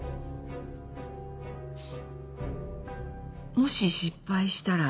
もし失敗したら？